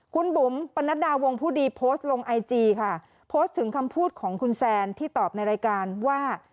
คุณบุ๋มปนัดดาวงผู้ดีโพสต์ลงไอจีค่ะโพสต์ถึงคำพูดของคุณแซนที่ตอบในรายการว่า